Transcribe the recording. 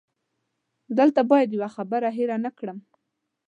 دلته باید یوه خبره هېره نه کړم.